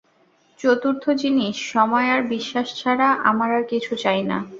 চতুর্থ জিনিস, সময় আর বিশ্বাস ছাড়া আমার আর কিছু চাই না।